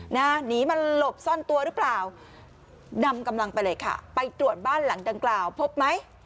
หนีมันหลบซ่อนตัวหรือเปล่านำกำลังไปเลยค่ะไปตรวจบ้านหลังดังกล่าวพบไหม